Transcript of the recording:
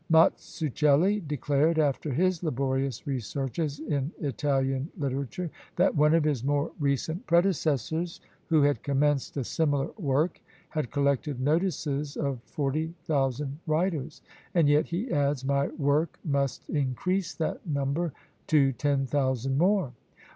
Mazzuchelli declared, after his laborious researches in Italian literature, that one of his more recent predecessors, who had commenced a similar work, had collected notices of forty thousand writers and yet, he adds, my work must increase that number to ten thousand more!